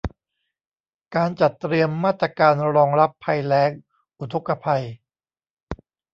การจัดเตรียมมาตรการรองรับภัยแล้ง อุทกภัย